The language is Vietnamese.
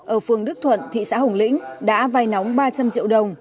ở phường đức thuận thị xã hồng lĩnh đã vai nóng ba trăm linh triệu đồng